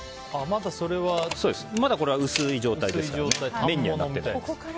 まだこれは薄い状態で麺にはなってないです。